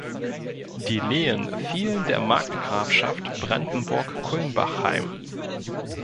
Die Lehen fielen der Markgrafschaft Brandenburg-Kulmbach heim.